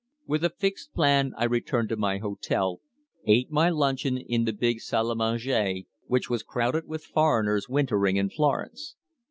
With a fixed plan I returned to my hotel, ate my luncheon in the big salle à manger, which was crowded with foreigners wintering in Florence.